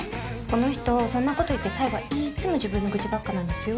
この人そんなこと言って最後はいっつも自分の愚痴ばっかなんですよ。